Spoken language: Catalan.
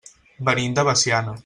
Venim de Veciana.